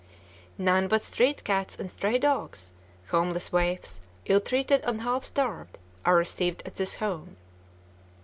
None but street cats and stray dogs, homeless waifs, ill treated and half starved, are received at this home.